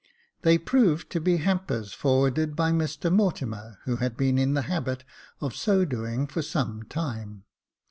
They proved to be hampers forwarded by Mr Mortimer, who had been in the habit of so doing for some time.